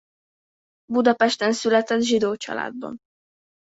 Budapesten született zsidó családban.